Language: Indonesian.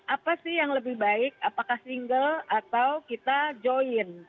apa sih yang lebih baik apakah single atau kita join